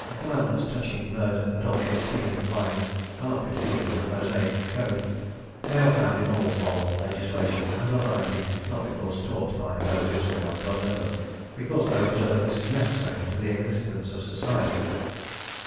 The Commandments touching murder, adultery, stealing, lying are not peculiar to the Mosaic code. They are found in all moral legislation, and are binding not because taught by Moses or by Buddha, but because their observance is necessary to the existence of society.